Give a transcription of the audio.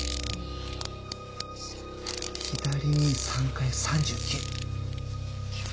左に３回３９。